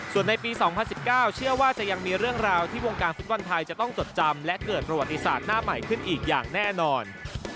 ส่วนในปี๒๐๑๙เชื่อว่าจะยังมีเรื่องราวที่วงการฟุตบอลไทยจะต้องจดจำและเกิดประวัติศาสตร์หน้าใหม่ขึ้นอีกอย่างแน่นอน